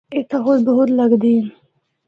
اِتھا خود بخود لگدے ہن۔